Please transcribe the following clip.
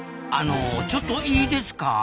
あのちょっといいですか？